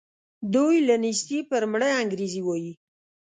دوی له نېستي پر مړه انګرېږي وايي.